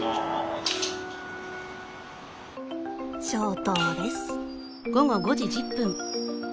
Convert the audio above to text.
消灯です。